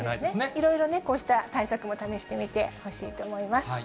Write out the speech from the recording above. いろいろこうした対策も試してみてほしいと思います。